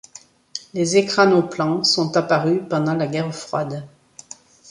Les ekranoplans sont apparus pendant la Guerre froide.